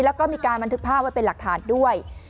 แล้วก็มีการบันทึกภาพไว้เป็นหลักฐานด้วย